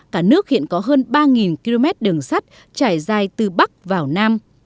cả nước hiện có hơn ba km đường sắt trải dài từ bắc vào nam